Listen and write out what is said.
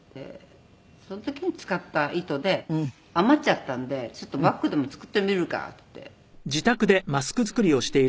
その時に使った糸で余っちゃったのでちょっとバッグでも作ってみるかって作ったんです。